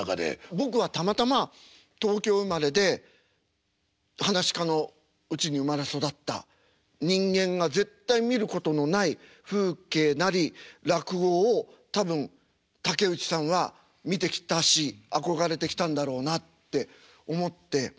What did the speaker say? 僕はたまたま東京生まれで噺家のうちに生まれ育った人間が絶対に見ることのない風景なり落語を多分竹内さんは見てきたし憧れてきたんだろうなって思って。